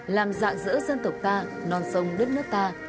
mạng giữa dân tộc ta non sông đất nước ta